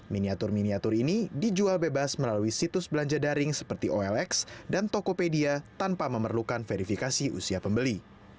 miniatur miniatur ini dijual bebas melalui situs belanja daring seperti olx dan tokopedia tanpa memerlukan verifikasi usia pembeli